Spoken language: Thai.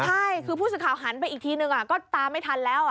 ใช่คือผู้สื่อข่าวหันไปอีกทีนึงก็ตามไม่ทันแล้ว